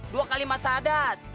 dua kalimat sadat